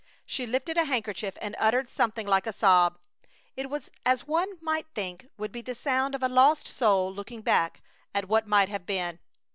She lifted a handkerchief and uttered something like a sob. It was as one might think would be the sound of a lost soul looking back at what might have been.